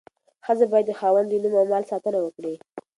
ښځه باید د خاوند د نوم او مال ساتنه وکړي.